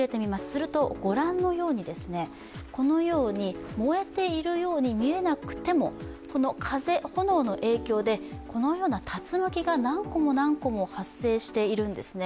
すると、ご覧のように、燃えているように見えなくても風、炎の影響でこのような竜巻が何個も何個も発生しているんですね。